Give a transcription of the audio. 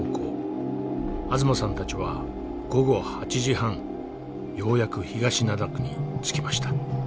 東さんたちは午後８時半ようやく東灘区に着きました。